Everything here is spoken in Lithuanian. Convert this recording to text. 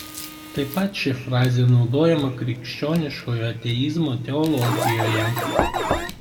Taip pat ši frazė naudojama krikščioniškojo ateizmo teologijoje.